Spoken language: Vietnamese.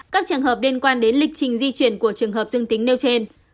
các trường hợp liên quan đến lịch trình di chuyển của trường hợp dương tính nêu trên